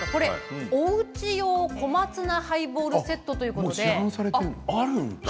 おうち用小松菜ハイボールセットというものです。